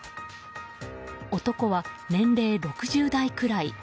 男は年齢６０代くらい。